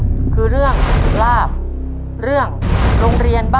ต้นไม้ประจำจังหวัดระยองก่อนออกรายการครับ